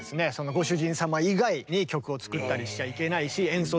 ご主人様以外に曲を作ったりしちゃいけないし演奏したり。